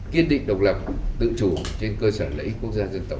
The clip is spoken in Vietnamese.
kiên định độc lập tự chủ trên cơ sở lấy quốc gia dân tộc